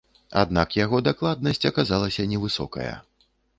Аднак яго дакладнасць аказалася невысокая.